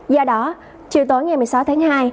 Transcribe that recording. do đó chiều tối ngày một mươi sáu tháng hai